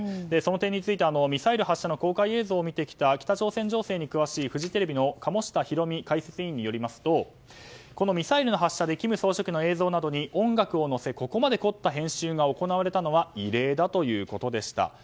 その点について、ミサイル発射の公開映像を見てきた北朝鮮情勢に詳しいフジテレビの鴨下ひろみ解説委員によりますとこのミサイルの発射で金総書記の映像などにここまで凝った編集が行われたのは異例だということでした。